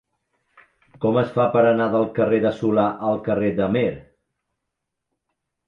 Com es fa per anar del carrer de Solà al carrer d'Amer?